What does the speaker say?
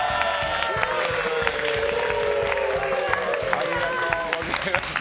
ありがとうございます。